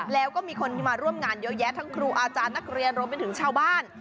แล้วก็มีคนที่มาร่วมงานเยอะแยะทั้งครูอาจารย์นักเรียนรวมไปถึงชาวบ้าน